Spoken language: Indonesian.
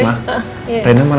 langsung ke kamarnya